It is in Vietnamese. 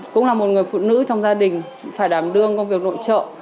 cũng là một người phụ nữ trong gia đình phải đảm đương công việc nội trợ